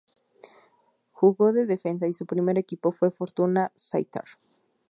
Jugó de defensa y su primer equipo fue Fortuna Sittard.